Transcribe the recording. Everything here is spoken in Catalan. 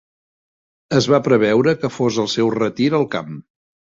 Es va preveure que fos el seu retir al camp.